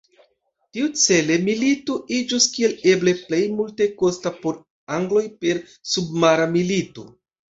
Tiucele milito iĝus kiel eble plej multekosta por angloj per submara milito.